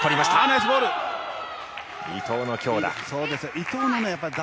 伊藤の強打。